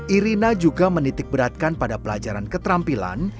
irina juga menitik beratkan pada pelajaran keterampilan